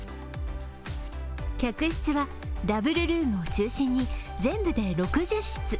客室はダブルルームを中心に、全６０室。